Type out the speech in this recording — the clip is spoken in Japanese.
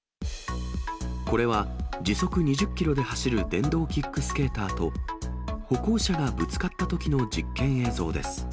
これは、時速２０キロで走る電動キックスケーターと、歩行者がぶつかったときの実験映像です。